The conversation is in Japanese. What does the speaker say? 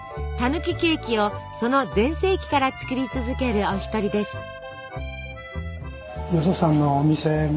たぬきケーキをその全盛期から作り続けるお一人です。